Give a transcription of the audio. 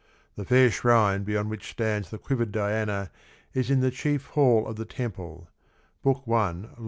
The fair shrine beyond which stands the quivered Diana is in the chief [hall] of the temple (I.